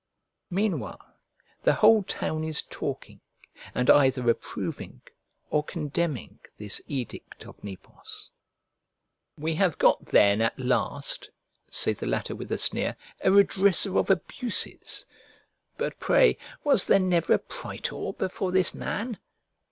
Meanwhile the whole town is talking, and either approving or condemning this edict of Nepos. We have got then at last (say the latter with a sneer) a redressor of abuses. But pray was there never a praetor before this man?